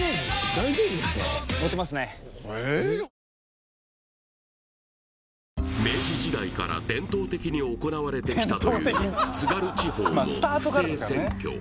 ニトリ明治時代から伝統的に行われてきたという津軽地方の不正選挙